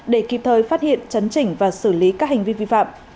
để kịp thời phát hiện chấn chỉnh và xử lý các hành vi vi phạm